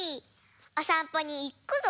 おさんぽにいくぞ！